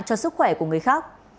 cho sức khỏe của người khác